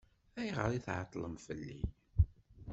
Ayɣer i tɛeṭṭlem fell-i?